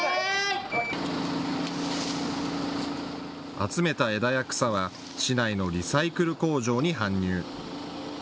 集めた枝や草は市内のリサイクル工場に搬入。